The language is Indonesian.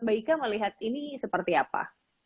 mbak ika melihat ini seperti apa